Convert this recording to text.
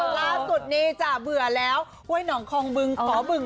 ล่าสุดนี้จ้ะเบื่อแล้วห้วยหนองคองบึงขอบึง